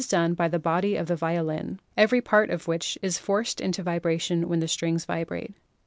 done by the body of the violin, every part of which is forced into vibration when the strings vibrate.